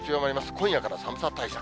今夜から寒さ対策。